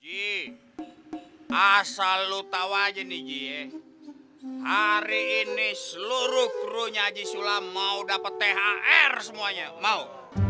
ji asal lu tawa jenis g re hari ini seluruh krunya aji sula mau dapet thr semuanya mau